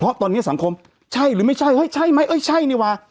เพราะตอนนี้สังคมใช่หรือไม่ใช่เฮ้ยใช่ไหมเอ้ยใช่นี่ว่า